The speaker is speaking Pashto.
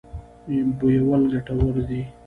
بویول ګټور دی.